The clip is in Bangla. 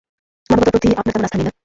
মানবতার প্রতি আপনার তেমন আস্থা নেই, না?